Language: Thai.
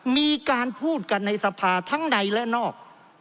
มีการพูดกันในสภาทั้งในและนอก